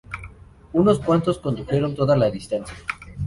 Unos cuantos condujeron toda la distancia.